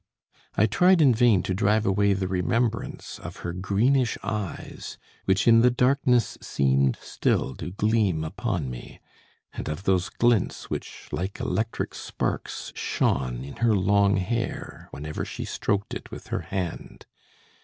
I tried in vain to drive away the remembrance of her greenish eyes, which in the darkness seemed still to gleam upon me, and of those glints which, like electric sparks, shone in her long hair whenever she stroked it with her hand.